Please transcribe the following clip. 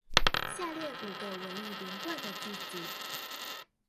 下列五個文意連貫的句子